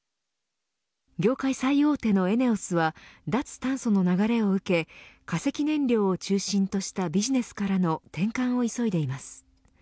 業界最大手のＥＮＥＯＳは脱炭素の流れを受け化石燃料を中心としたビジネスからの転換を急いでいます。